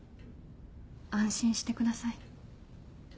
安心してください。